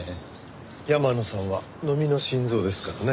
山野さんはノミの心臓ですからね。